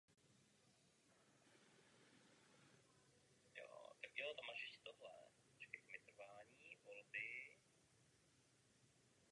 Termín je ale používán příliš úzce.